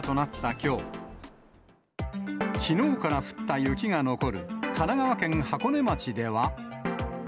きのうから降った雪が残る神奈川県箱根町では。